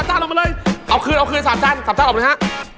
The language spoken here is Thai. ๓จานออกไปเลยเอาคืน๓จานออกไปเลยค่ะ